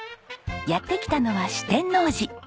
やって来たのは四天王寺。